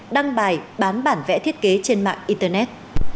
đăng bài bán bản vẽ thiết kế trên mạng internet